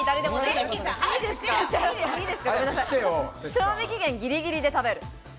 賞味期限ギリギリで食べる。